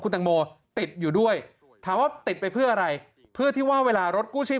แตงโมติดอยู่ด้วยถามว่าติดไปเพื่ออะไรเพื่อที่ว่าเวลารถกู้ชีพ